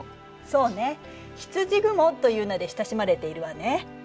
そうね「ひつじ雲」という名で親しまれているわね。